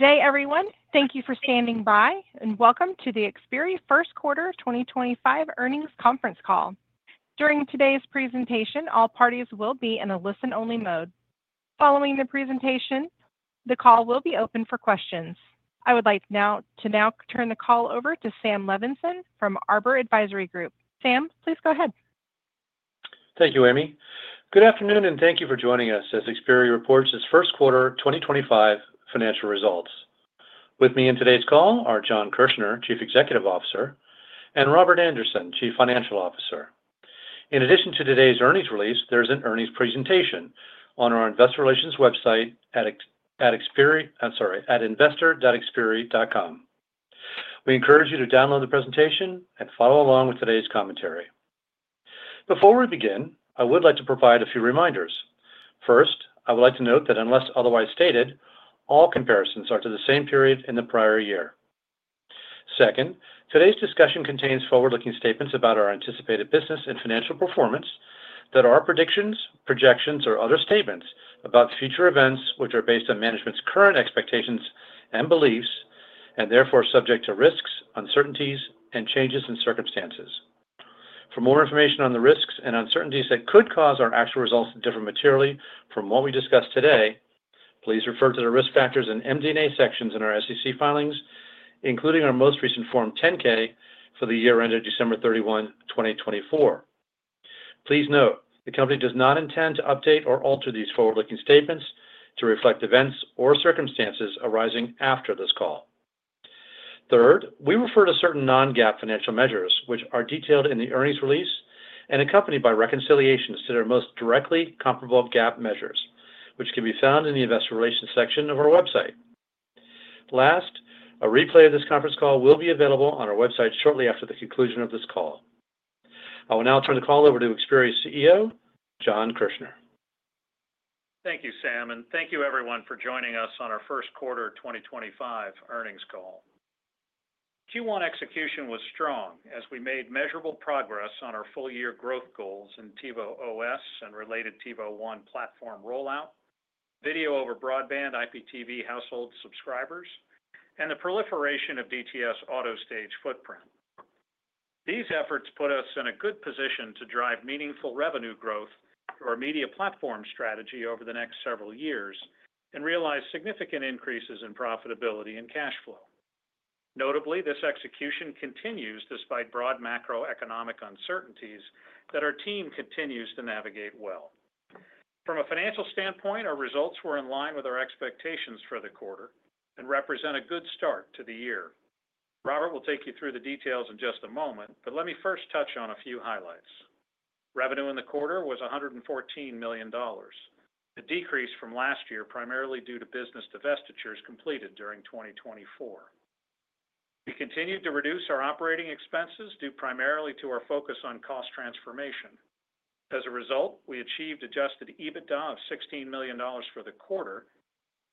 Today, everyone, thank you for standing by, and welcome to the Xperi First Quarter 2025 earnings conference call. During today's presentation, all parties will be in a listen-only mode. Following the presentation, the call will be open for questions. I would like now to turn the call over to Sam Levenson from Arbor Advisory Group. Sam, please go ahead. Thank you, Amy. Good afternoon, and thank you for joining us as Xperi reports its first quarter 2025 financial results. With me in today's call are Jon Kirchner, Chief Executive Officer, and Robert Andersen, Chief Financial Officer. In addition to today's earnings release, there is an earnings presentation on our investor relations website at Xperi, I'm sorry, at investor.xperi.com. We encourage you to download the presentation and follow along with today's commentary. Before we begin, I would like to provide a few reminders. First, I would like to note that unless otherwise stated, all comparisons are to the same period in the prior year. Second, today's discussion contains forward-looking statements about our anticipated business and financial performance, that are predictions, projections, or other statements about future events which are based on management's current expectations and beliefs, and therefore subject to risks, uncertainties, and changes in circumstances. For more information on the risks and uncertainties that could cause our actual results to differ materially from what we discuss today, please refer to the risk factors and MD&A sections in our SEC filings, including our most recent Form 10-K for the year ended December 31, 2024. Please note, the company does not intend to update or alter these forward-looking statements to reflect events or circumstances arising after this call. Third, we refer to certain non-GAAP financial measures which are detailed in the earnings release and accompanied by reconciliations to their most directly comparable GAAP measures, which can be found in the investor relations section of our website. Last, a replay of this conference call will be available on our website shortly after the conclusion of this call. I will now turn the call over to Xperi CEO, Jon Kirchner. Thank you, Sam, and thank you, everyone, for joining us on our first quarter 2025 earnings call. Q1 execution was strong as we made measurable progress on our full-year growth goals in TiVo OS and related TiVo One platform rollout, video over broadband IPTV household subscribers, and the proliferation of DTS AutoStage footprint. These efforts put us in a good position to drive meaningful revenue growth through our media platform strategy over the next several years and realize significant increases in profitability and cash flow. Notably, this execution continues despite broad macroeconomic uncertainties that our team continues to navigate well. From a financial standpoint, our results were in line with our expectations for the quarter and represent a good start to the year. Robert will take you through the details in just a moment, but let me first touch on a few highlights. Revenue in the quarter was $114 million, a decrease from last year primarily due to business divestitures completed during 2024. We continued to reduce our operating expenses due primarily to our focus on cost transformation. As a result, we achieved adjusted EBITDA of $16 million for the quarter,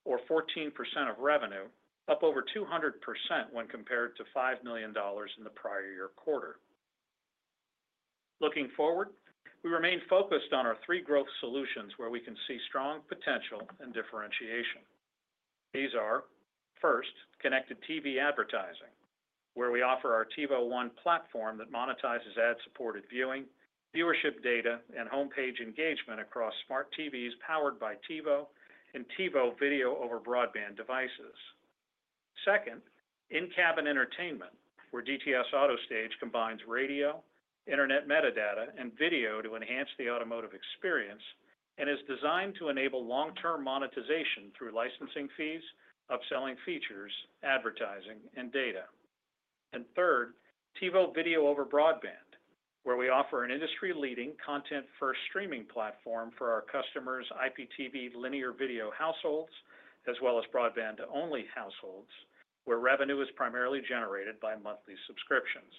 or 14% of revenue, up over 200% when compared to $5 million in the prior year quarter. Looking forward, we remain focused on our three growth solutions where we can see strong potential and differentiation. These are, first, connected TV advertising, where we offer our TiVo One platform that monetizes ad-supported viewing, viewership data, and homepage engagement across smart TVs powered by TiVo and TiVo Video over broadband devices. Second, in-cabin entertainment, where DTS AutoStage combines radio, internet metadata, and video to enhance the automotive experience and is designed to enable long-term monetization through licensing fees, upselling features, advertising, and data. Third, TiVo Video over broadband, where we offer an industry-leading content-first streaming platform for our customers' IPTV linear video households, as well as broadband-only households, where revenue is primarily generated by monthly subscriptions.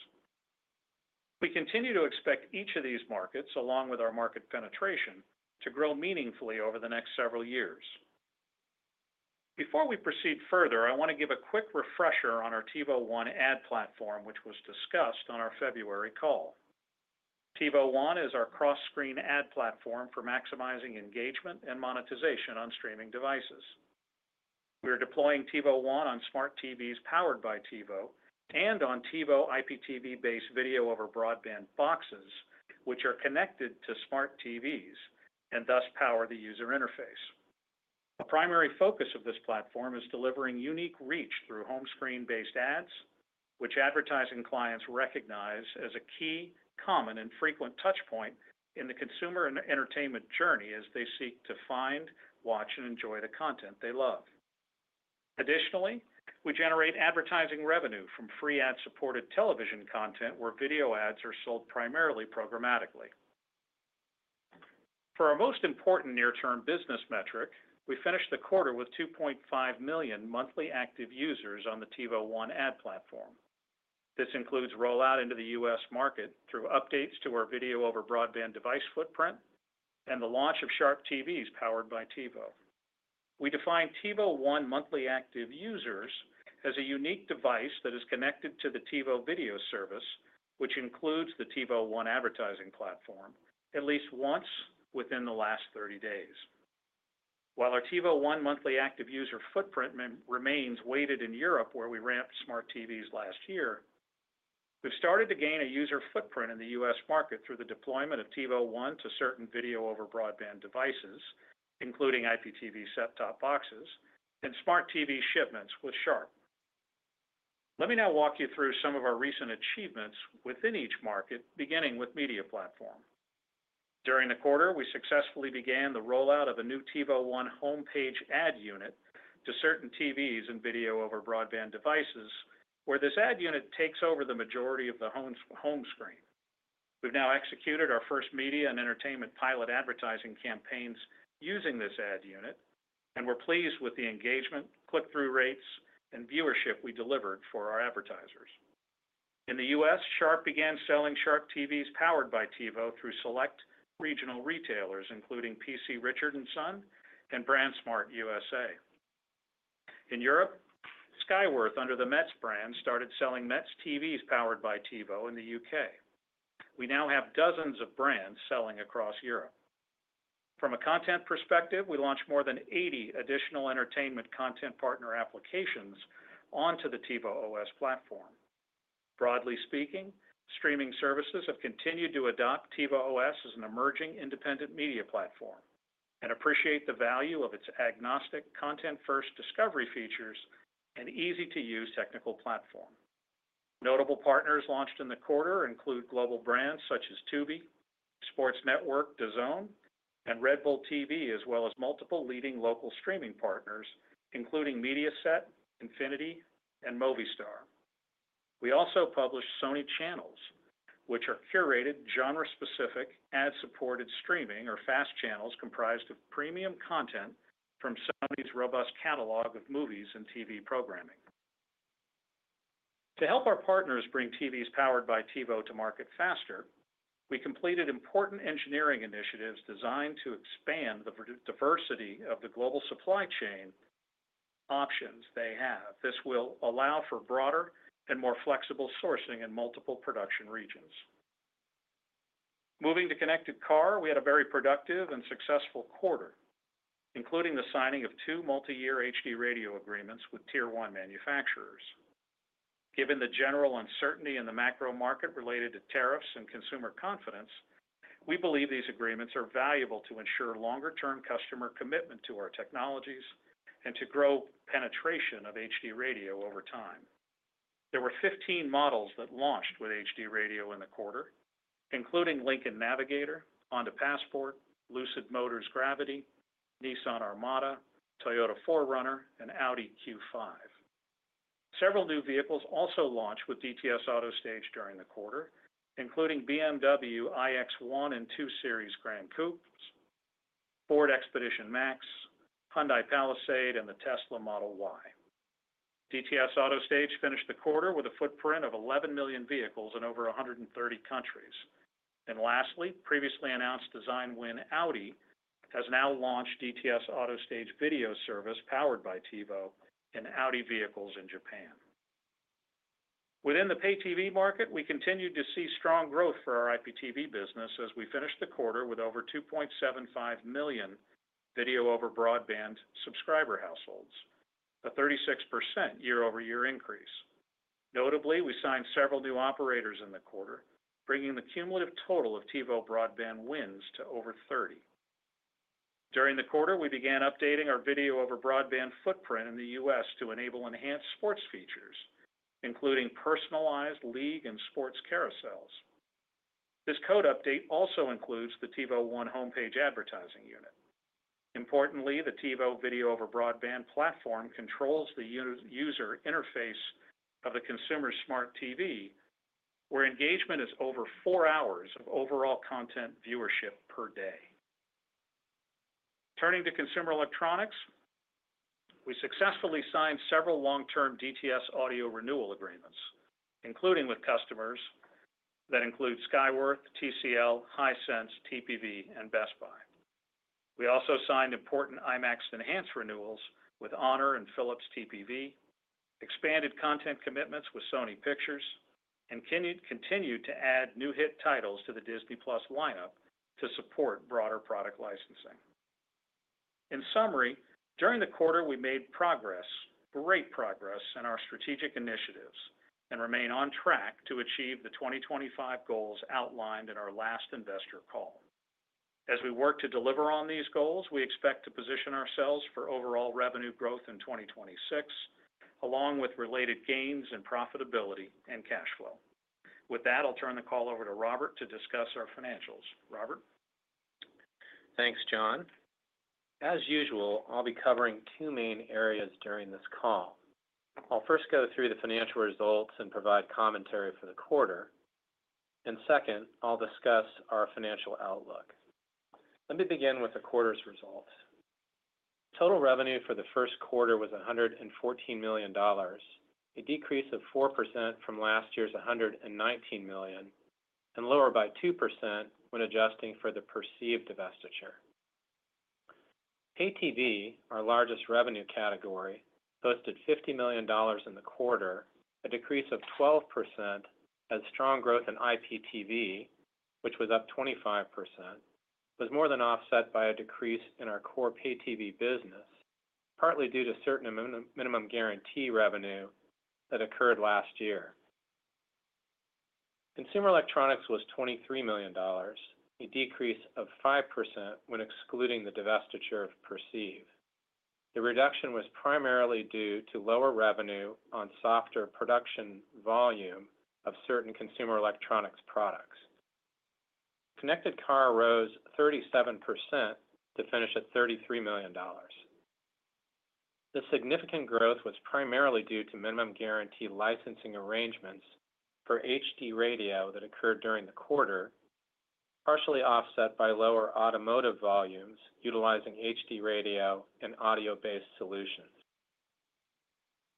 We continue to expect each of these markets, along with our market penetration, to grow meaningfully over the next several years. Before we proceed further, I want to give a quick refresher on our TiVo One ad platform, which was discussed on our February call. TiVo One is our cross-screen ad platform for maximizing engagement and monetization on streaming devices. We are deploying TiVo One on smart TVs powered by TiVo and on TiVo IPTV-based video over broadband boxes, which are connected to smart TVs and thus power the user interface. A primary focus of this platform is delivering unique reach through home-screen-based ads, which advertising clients recognize as a key, common, and frequent touchpoint in the consumer entertainment journey as they seek to find, watch, and enjoy the content they love. Additionally, we generate advertising revenue from free ad-supported television content where video ads are sold primarily programmatically. For our most important near-term business metric, we finished the quarter with 2.5 million monthly active users on the TiVo One ad platform. This includes rollout into the U.S. market through updates to our video over broadband device footprint and the launch of Sharp TVs powered by TiVo. We define TiVo One monthly active users as a unique device that is connected to the TiVo Video service, which includes the TiVo One advertising platform, at least once within the last 30 days. While our TiVo One monthly active user footprint remains weighted in Europe, where we ramped smart TVs last year, we've started to gain a user footprint in the U.S. market through the deployment of TiVo One to certain video over broadband devices, including IPTV set-top boxes and smart TV shipments with Sharp. Let me now walk you through some of our recent achievements within each market, beginning with media platform. During the quarter, we successfully began the rollout of a new TiVo One homepage ad unit to certain TVs and video over broadband devices, where this ad unit takes over the majority of the home screen. We've now executed our first media and entertainment pilot advertising campaigns using this ad unit, and we're pleased with the engagement, click-through rates, and viewership we delivered for our advertisers. In the U.S., Sharp began selling Sharp TVs powered by TiVo through select regional retailers, including PC Richard & Son and Brandsmart USA. In Europe, Skyworth under the Metz brand started selling Metz TVs powered by TiVo in the U.K. We now have dozens of brands selling across Europe. From a content perspective, we launched more than 80 additional entertainment content partner applications onto the TiVo OS platform. Broadly speaking, streaming services have continued to adopt TiVo OS as an emerging independent media platform and appreciate the value of its agnostic, content-first discovery features and easy-to-use technical platform. Notable partners launched in the quarter include global brands such as Tubi, Sports Network, DAZN, and Red Bull TV, as well as multiple leading local streaming partners, including Mediaset Infinity and Movistar. We also published Sony channels, which are curated genre-specific ad-supported streaming or FAST channels comprised of premium content from Sony's robust catalog of movies and TV programming. To help our partners bring TVs powered by TiVo to market faster, we completed important engineering initiatives designed to expand the diversity of the global supply chain options they have. This will allow for broader and more flexible sourcing in multiple production regions. Moving to connected car, we had a very productive and successful quarter, including the signing of two multi-year HD Radio agreements with Tier One manufacturers. Given the general uncertainty in the macro market related to tariffs and consumer confidence, we believe these agreements are valuable to ensure longer-term customer commitment to our technologies and to grow penetration of HD Radio over time. There were 15 models that launched with HD Radio in the quarter, including Lincoln Navigator, Honda Passport, Lucid Motors Gravity, Nissan Armada, Toyota 4Runner, and Audi Q5. Several new vehicles also launched with DTS AutoStage during the quarter, including BMW iX1 and 2 Series Gran Coupes, Ford Expedition Max, Hyundai Palisade, and the Tesla Model Y. DTS AutoStage finished the quarter with a footprint of 11 million vehicles in over 130 countries. Lastly, previously announced DesignWin Audi has now launched DTS AutoStage video service powered by TiVo in Audi vehicles in Japan. Within the pay TV market, we continued to see strong growth for our IPTV business as we finished the quarter with over 2.75 million Video over Broadband subscriber households, a 36% year-over-year increase. Notably, we signed several new operators in the quarter, bringing the cumulative total of TiVo Broadband Wins to over 30. During the quarter, we began updating our video over broadband footprint in the U.S. to enable enhanced sports features, including personalized league and sports carousels. This code update also includes the TiVo One homepage advertising unit. Importantly, the TiVo Video over Broadband platform controls the user interface of the consumer smart TV, where engagement is over four hours of overall content viewership per day. Turning to consumer electronics, we successfully signed several long-term DTS audio renewal agreements, including with customers that include Skyworth, TCL, Hisense, TPV, and Best Buy. We also signed important IMAX Enhanced renewals with Honor and Philips TPV, expanded content commitments with Sony Pictures, and continued to add new hit titles to the Disney Plus lineup to support broader product licensing. In summary, during the quarter, we made progress, great progress in our strategic initiatives, and remain on track to achieve the 2025 goals outlined in our last investor call. As we work to deliver on these goals, we expect to position ourselves for overall revenue growth in 2026, along with related gains in profitability and cash flow. With that, I'll turn the call over to Robert to discuss our financials. Robert? Thanks, Jon. As usual, I'll be covering two main areas during this call. I'll first go through the financial results and provide commentary for the quarter. Second, I'll discuss our financial outlook. Let me begin with the quarter's results. Total revenue for the first quarter was $114 million, a decrease of 4% from last year's $119 million, and lower by 2% when adjusting for the Perceive divestiture. Pay TV, our largest revenue category, posted $50 million in the quarter, a decrease of 12%, as strong growth in IPTV, which was up 25%, was more than offset by a decrease in our core pay TV business, partly due to certain minimum guarantee revenue that occurred last year. Consumer electronics was $23 million, a decrease of 5% when excluding the divestiture of Perceive. The reduction was primarily due to lower revenue on softer production volume of certain consumer electronics products. Connected car rose 37% to finish at $33 million. The significant growth was primarily due to minimum guarantee licensing arrangements for HD Radio that occurred during the quarter, partially offset by lower automotive volumes utilizing HD Radio and audio-based solutions.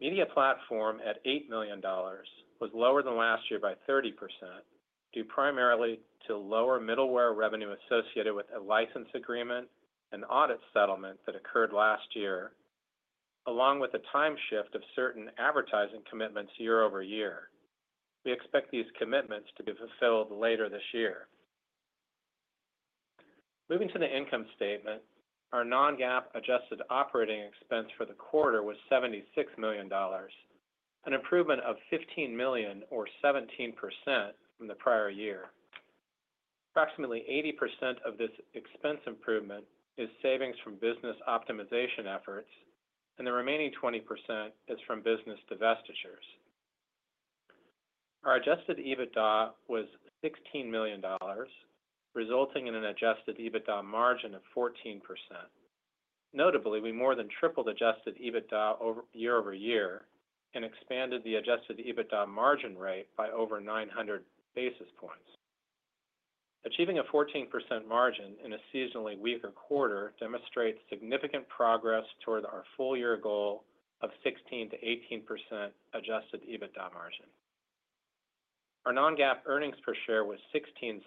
Media platform at $8 million was lower than last year by 30% due primarily to lower middleware revenue associated with a license agreement and audit settlement that occurred last year, along with a time shift of certain advertising commitments year-over-year. We expect these commitments to be fulfilled later this year. Moving to the income statement, our non-GAAP adjusted operating expense for the quarter was $76 million, an improvement of $15 million, or 17%, from the prior year. Approximately 80% of this expense improvement is savings from business optimization efforts, and the remaining 20% is from business divestitures. Our adjusted EBITDA was $16 million, resulting in an adjusted EBITDA margin of 14%. Notably, we more than tripled adjusted EBITDA year-over-year and expanded the adjusted EBITDA margin rate by over 900 basis points. Achieving a 14% margin in a seasonally weaker quarter demonstrates significant progress toward our full-year goal of 16%-18% adjusted EBITDA margin. Our non-GAAP earnings per share was $0.16,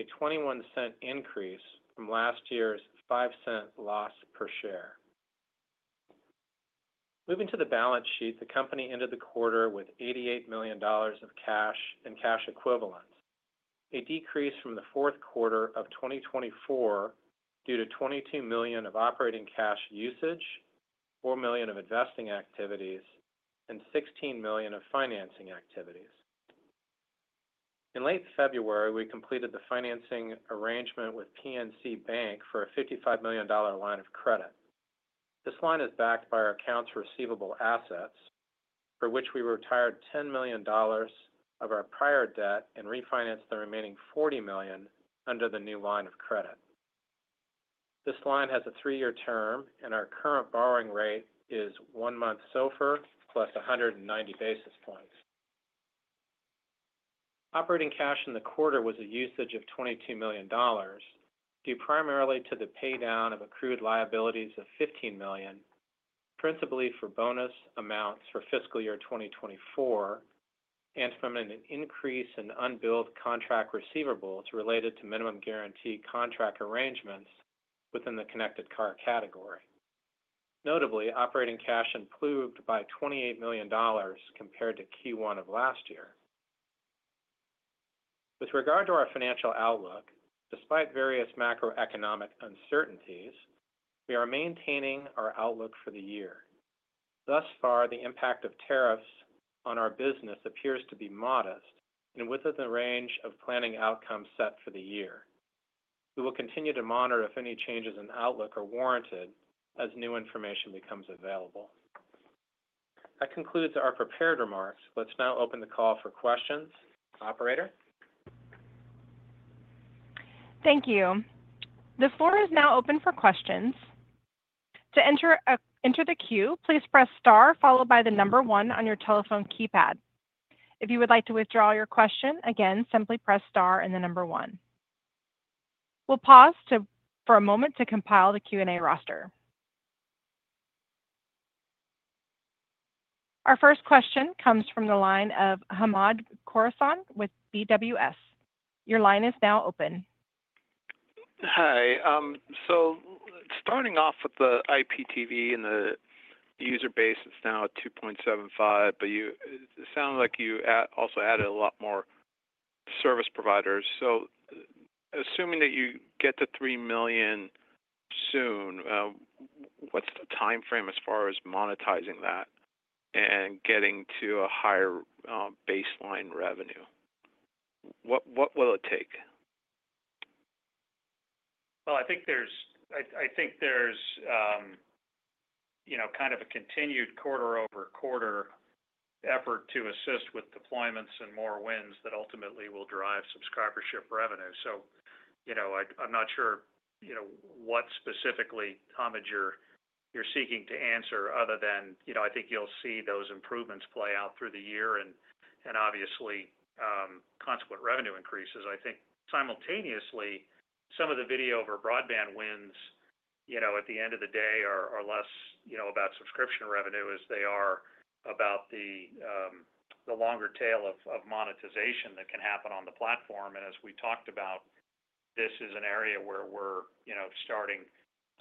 a $0.21 increase from last year's $0.05 loss per share. Moving to the balance sheet, the company ended the quarter with $88 million of cash and cash equivalents, a decrease from the fourth quarter of 2024 due to $22 million of operating cash usage, $4 million of investing activities, and $16 million of financing activities. In late February, we completed the financing arrangement with PNC Bank for a $55 million line of credit. This line is backed by our accounts receivable assets, for which we retired $10 million of our prior debt and refinanced the remaining $40 million under the new line of credit. This line has a three-year term, and our current borrowing rate is one month SOFR plus 190 basis points. Operating cash in the quarter was a usage of $22 million due primarily to the paydown of accrued liabilities of $15 million, principally for bonus amounts for fiscal year 2024, and from an increase in unbilled contract receivables related to minimum guarantee contract arrangements within the connected car category. Notably, operating cash improved by $28 million compared to Q1 of last year. With regard to our financial outlook, despite various macroeconomic uncertainties, we are maintaining our outlook for the year. Thus far, the impact of tariffs on our business appears to be modest and within the range of planning outcomes set for the year. We will continue to monitor if any changes in outlook are warranted as new information becomes available. That concludes our prepared remarks. Let's now open the call for questions. Operator? Thank you. The floor is now open for questions. To enter the queue, please press star followed by the number one on your telephone keypad. If you would like to withdraw your question, again, simply press star and the number one. We'll pause for a moment to compile the Q&A roster. Our first question comes from the line of Hamed Khorsand with BWS. Your line is now open. Hi. Starting off with the IPTV and the user base, it's now 2.75, but it sounds like you also added a lot more service providers. Assuming that you get to 3 million soon, what's the timeframe as far as monetizing that and getting to a higher baseline revenue? What will it take? I think there's kind of a continued quarter-over-quarter effort to assist with deployments and more wins that ultimately will drive subscribership revenue. I'm not sure what specifically, Hamad, you're seeking to answer other than I think you'll see those improvements play out through the year and obviously consequent revenue increases. I think simultaneously, some of the video over broadband wins at the end of the day are less about subscription revenue as they are about the longer tail of monetization that can happen on the platform. As we talked about, this is an area where we're starting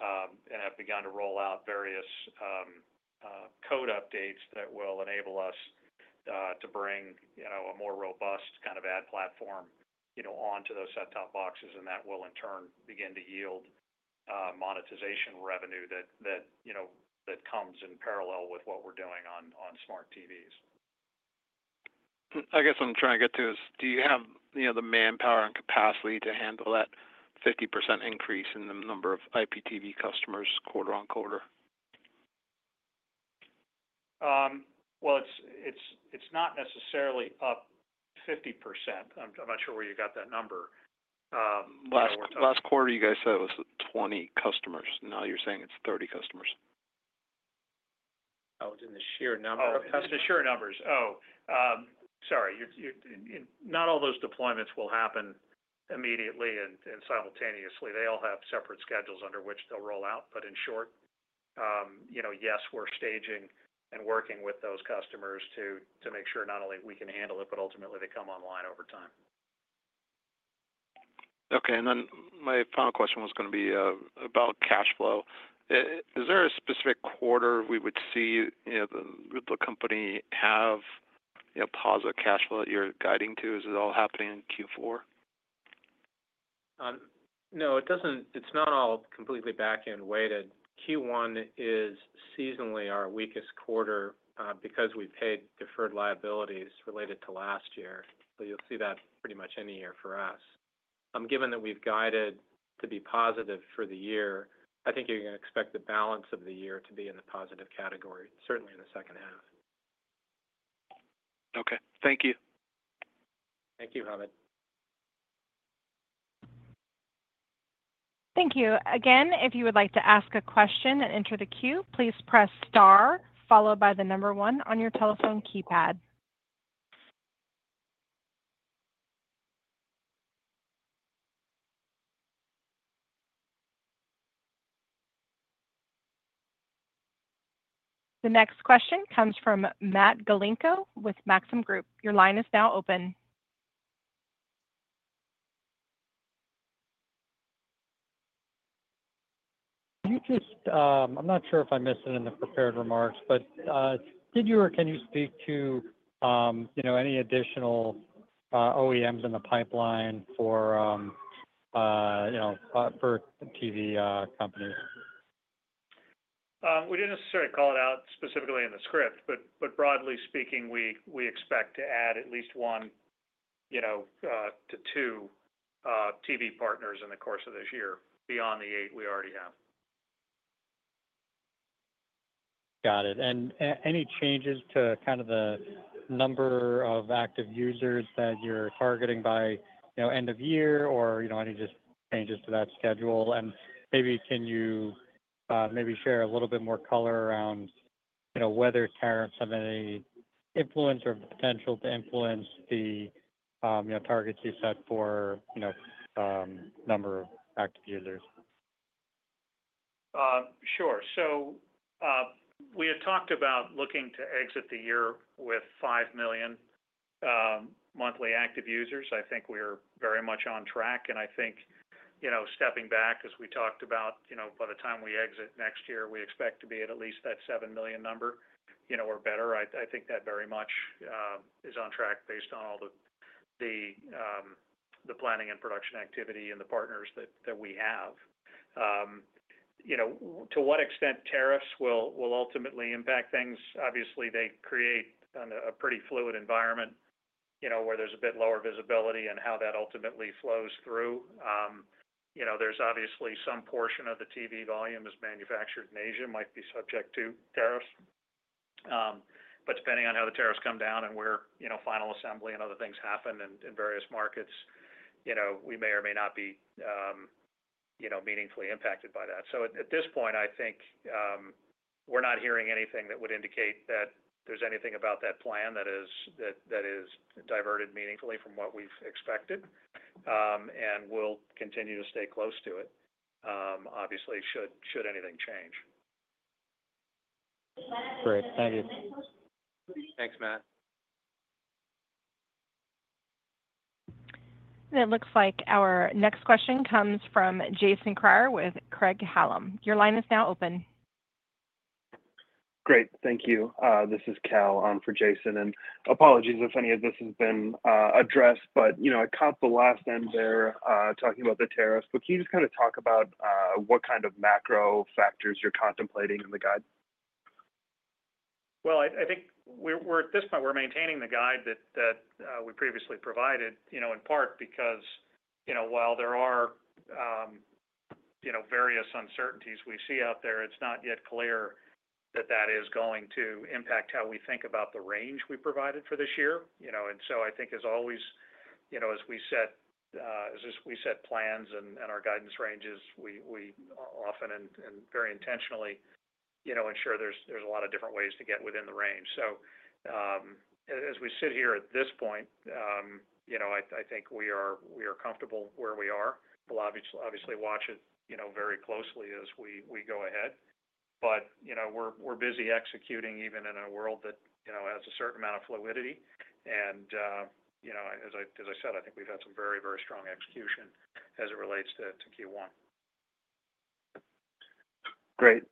and have begun to roll out various code updates that will enable us to bring a more robust kind of ad platform onto those set-top boxes, and that will in turn begin to yield monetization revenue that comes in parallel with what we're doing on smart TVs. I guess what I'm trying to get to is, do you have the manpower and capacity to handle that 50% increase in the number of IPTV customers quarter on quarter? It is not necessarily up 50%. I'm not sure where you got that number. Last quarter, you guys said it was 20 customers. Now you're saying it's 30 customers. Oh, it's in the sheer number of customers. Oh, it's the sheer numbers. Oh, sorry. Not all those deployments will happen immediately and simultaneously. They all have separate schedules under which they'll roll out. In short, yes, we're staging and working with those customers to make sure not only we can handle it, but ultimately they come online over time. Okay. My final question was going to be about cash flow. Is there a specific quarter we would see the company have positive cash flow that you're guiding to? Is it all happening in Q4? No, it's not all completely back-end weighted. Q1 is seasonally our weakest quarter because we paid deferred liabilities related to last year. You will see that pretty much any year for us. Given that we've guided to be positive for the year, I think you can expect the balance of the year to be in the positive category, certainly in the second half. Okay. Thank you. Thank you, Hamad. Thank you. Again, if you would like to ask a question and enter the queue, please press star followed by the number one on your telephone keypad. The next question comes from Matt Galinko with Maxim Group. Your line is now open. I'm not sure if I missed it in the prepared remarks, but did you or can you speak to any additional OEMs in the pipeline for TV companies? We didn't necessarily call it out specifically in the script, but broadly speaking, we expect to add at least one to two TV partners in the course of this year beyond the eight we already have. Got it. Any changes to kind of the number of active users that you're targeting by end of year or any just changes to that schedule? Maybe can you maybe share a little bit more color around whether tariffs have any influence or potential to influence the targets you set for number of active users? Sure. We had talked about looking to exit the year with 5 million monthly active users. I think we're very much on track. I think stepping back, as we talked about, by the time we exit next year, we expect to be at at least that 7 million number or better. I think that very much is on track based on all the planning and production activity and the partners that we have. To what extent tariffs will ultimately impact things? Obviously, they create a pretty fluid environment where there's a bit lower visibility in how that ultimately flows through. There's obviously some portion of the TV volume is manufactured in Asia and might be subject to tariffs. Depending on how the tariffs come down and where final assembly and other things happen in various markets, we may or may not be meaningfully impacted by that. At this point, I think we're not hearing anything that would indicate that there's anything about that plan that is diverted meaningfully from what we've expected, and we'll continue to stay close to it, obviously, should anything change. Great. Thank you. Thanks, Matt. It looks like our next question comes from Jason Krag with Craig-Hallum. Your line is now open. Great. Thank you. This is Cal on for Jason. And apologies if any of this has been addressed, but I caught the last end there talking about the tariffs. But can you just kind of talk about what kind of macro factors you're contemplating in the guide? I think at this point, we're maintaining the guide that we previously provided, in part because while there are various uncertainties we see out there, it's not yet clear that that is going to impact how we think about the range we provided for this year. I think, as always, as we set plans and our guidance ranges, we often and very intentionally ensure there's a lot of different ways to get within the range. As we sit here at this point, I think we are comfortable where we are. We'll obviously watch it very closely as we go ahead. We're busy executing even in a world that has a certain amount of fluidity. As I said, I think we've had some very, very strong execution as it relates to Q1. Great.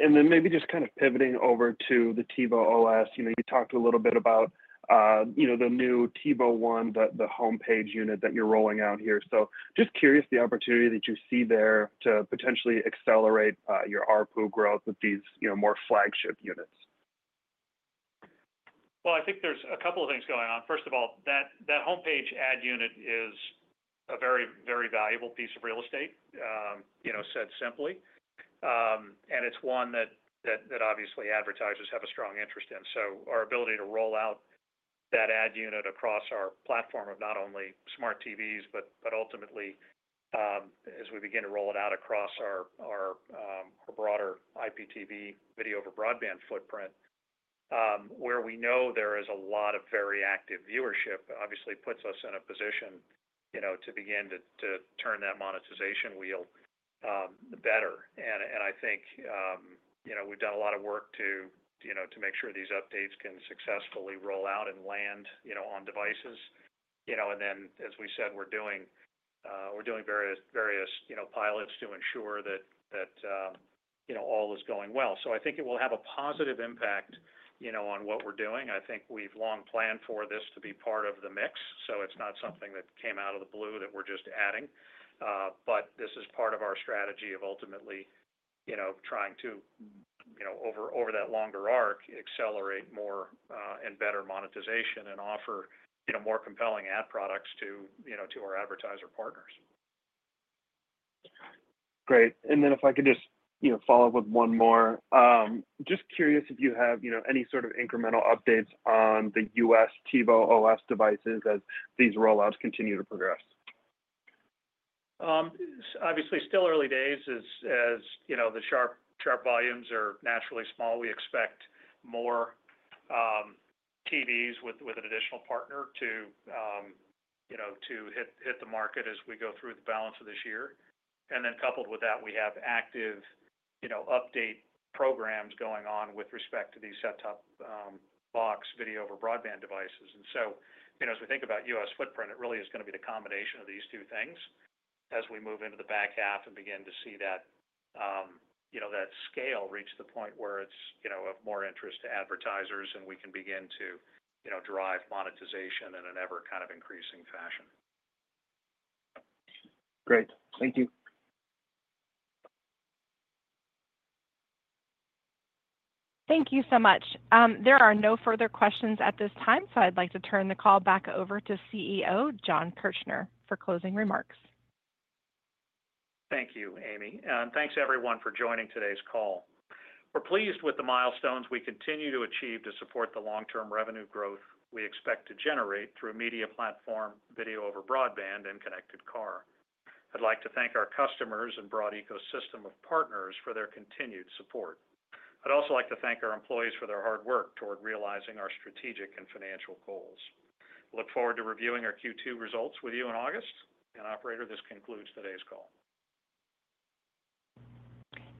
Maybe just kind of pivoting over to the TiVo OS, you talked a little bit about the new TiVo One, the homepage unit that you're rolling out here. Just curious the opportunity that you see there to potentially accelerate your RPU growth with these more flagship units. I think there's a couple of things going on. First of all, that homepage ad unit is a very, very valuable piece of real estate, said simply. It's one that obviously advertisers have a strong interest in. Our ability to roll out that ad unit across our platform of not only smart TVs, but ultimately, as we begin to roll it out across our broader IPTV video over broadband footprint, where we know there is a lot of very active viewership, obviously puts us in a position to begin to turn that monetization wheel better. I think we've done a lot of work to make sure these updates can successfully roll out and land on devices. As we said, we're doing various pilots to ensure that all is going well. I think it will have a positive impact on what we're doing. I think we've long planned for this to be part of the mix. It is not something that came out of the blue that we're just adding. This is part of our strategy of ultimately trying to, over that longer arc, accelerate more and better monetization and offer more compelling ad products to our advertiser partners. Great. If I could just follow up with one more. Just curious if you have any sort of incremental updates on the U.S. TiVo OS devices as these rollouts continue to progress. Obviously, still early days as the Sharp volumes are naturally small. We expect more TVs with an additional partner to hit the market as we go through the balance of this year. Coupled with that, we have active update programs going on with respect to these set-top box video over broadband devices. As we think about U.S. footprint, it really is going to be the combination of these two things as we move into the back half and begin to see that scale reach the point where it's of more interest to advertisers and we can begin to drive monetization in an ever kind of increasing fashion. Great. Thank you. Thank you so much. There are no further questions at this time, so I'd like to turn the call back over to CEO Jon Kirchner for closing remarks. Thank you, Amy. Thank you, everyone, for joining today's call. We're pleased with the milestones we continue to achieve to support the long-term revenue growth we expect to generate through media platform, video over broadband, and connected car. I'd like to thank our customers and broad ecosystem of partners for their continued support. I'd also like to thank our employees for their hard work toward realizing our strategic and financial goals. I look forward to reviewing our Q2 results with you in August. Operator, this concludes today's call.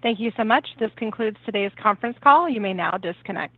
Thank you so much. This concludes today's conference call. You may now disconnect.